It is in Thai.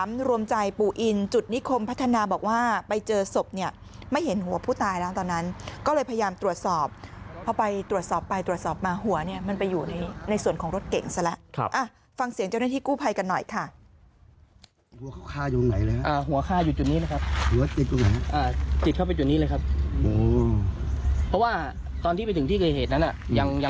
ฟังเสียงเจ้าหน้าที่กู้ไภกันหน่อยค่ะ